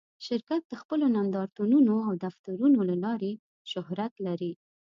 شرکت د خپلو نندارتونونو او دفترونو له لارې شهرت لري.